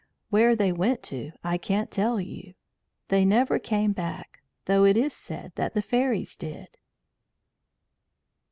Where they went to I can't tell you. They never came back, though it is said that the fairies did.